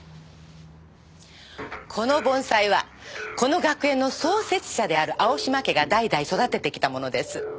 この盆栽はこの学園の創設者である青嶋家が代々育ててきたものです。